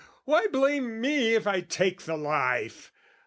Why blame me if I take the life?